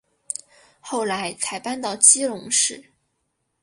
后来才搬到基隆市。